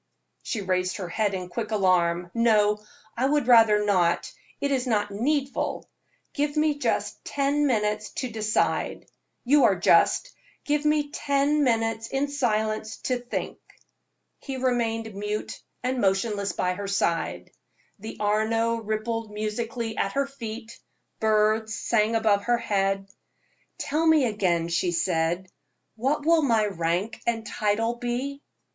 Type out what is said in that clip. She raised her head in quick alarm. "No, I would rather not, it is not needful. Give me just ten minutes to decide. You are just; give me ten minutes in silence to think." He remained mute and motionless by her side. The Arno rippled musically at her feet; birds sang above her head. "Tell me again;" she said, "what will my rank and title be?"